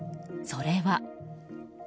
それは。